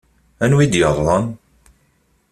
Anwa i d-yeṛḍen?